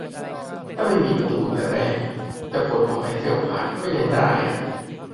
ถ้าไม่มีประตูแต่แรก จะขนหอไอเฟลผ่านก็ยังได้อะ